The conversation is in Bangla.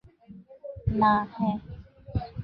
না, হ্যাঁ।